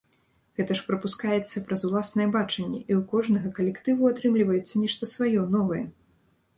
Гэта ж прапускаецца праз уласнае бачанне, і ў кожнага калектыву атрымліваецца нешта сваё, новае.